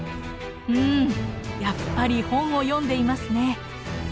うんやっぱり本を読んでいますね。